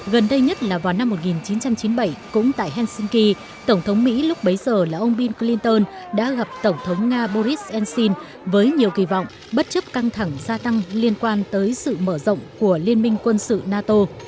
gần đây nhất là vào năm một nghìn chín trăm chín mươi bảy cũng tại helsinki tổng thống mỹ lúc bấy giờ là ông bill clinton đã gặp tổng thống nga boris ensin với nhiều kỳ vọng bất chấp căng thẳng gia tăng liên quan tới sự mở rộng của liên minh quân sự nato